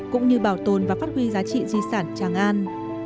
cũng như bảo tồn và phát huy giá trị di sản tràng an